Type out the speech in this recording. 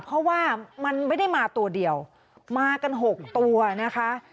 เพราะว่ามันไม่ได้มาตัวเดียวมากัน๖ตัวนะคะ